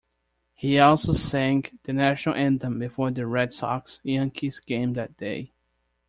He also sang the National Anthem before the Red Sox-Yankees game that day.